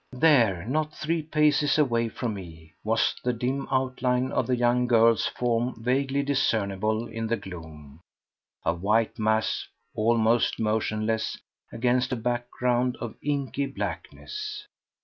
There, not three paces away from me, was the dim outline of the young girl's form vaguely discernible in the gloom—a white mass, almost motionless, against a background of inky blackness.